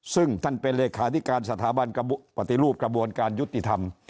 ซึ่งท่านเป็นเลขาธิการสถาบันปฏิรูปกระบวนการยุติธรรม